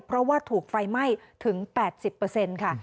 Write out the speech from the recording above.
เพราะว่าถูกไฟไหม้ถึง๘๐ค่ะ